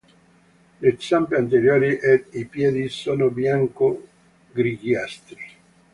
Le zampe anteriori ed i piedi sono bianco-grigiastri.